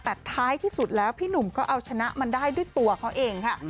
แต่ท้ายที่สุดแล้วพี่หนุ่มก็เอาชนะมันได้ด้วยตัวเขาเองค่ะ